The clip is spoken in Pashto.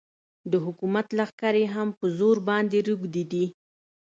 د حکومت لښکرې هم په زرو باندې روږدې دي.